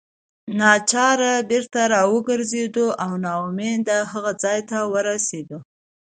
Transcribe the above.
ناچاره بیرته راوګرځېدو او نا امیدۍ هغه ځای ته ورسېدو.